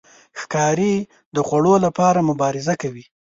ښکاري د خوړو لپاره مبارزه کوي.